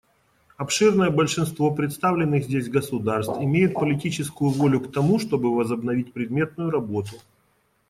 Обширное большинство представленных здесь государств имеют политическую волю к тому, чтобы возобновить предметную работу.